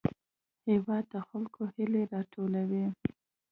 هېواد د خلکو هیلې راټولوي.